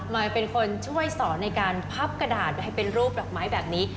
เป็นคนช่วยสอนในการพับกระดาษให้เป็นรูปดอกไม้แบบนี้